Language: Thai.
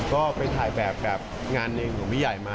ก็ไปถ่ายแบบแบบงานหนึ่งของพี่ใหญ่มา